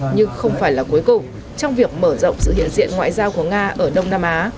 nhưng không phải là cuối cùng trong việc mở rộng sự hiện diện ngoại giao của nga ở đông nam á